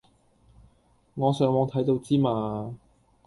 我上網睇到之嘛